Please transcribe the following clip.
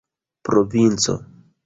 provinco